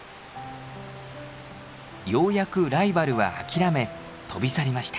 ようやくライバルは諦め飛び去りました。